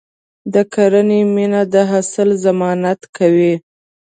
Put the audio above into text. د کرنې مینه د حاصل ضمانت کوي.